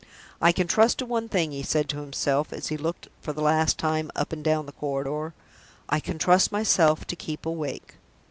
"I can trust to one thing," he said to himself, as he looked for the last time up and down the corridor "I can trust myself to keep awake."